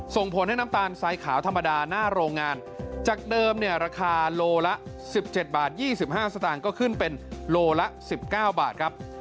ส่งผลให้น้ำตาลทรายขาวธรรมดาหน้าโรงงานจากเดิมเนี่ยราคาโลละ๑๗บาท๒๕สตางค์ก็ขึ้นเป็นโลละ๑๙บาทครับ